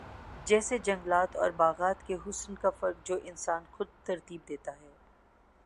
جیسے جنگلات اور باغات کے حسن کا فرق جو انسان خود ترتیب دیتا ہے